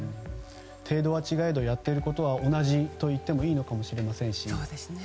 程度は違えどやっていることは同じといってもいいのかもしれませんし。